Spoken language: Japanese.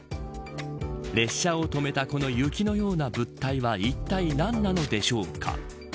列車を止めたこの雪のような物体はいったい何なのでしょうか。